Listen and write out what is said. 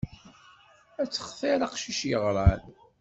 Ad textiṛ aqcic yeɣran.